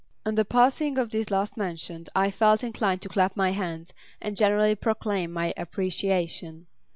On the passing of these last mentioned I felt inclined to clap my hands and generally proclaim my appreciation.